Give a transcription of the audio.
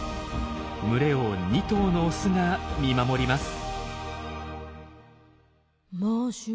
群れを２頭のオスが見守ります。